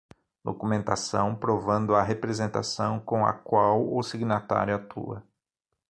Documentação provando a representação com a qual o signatário atua.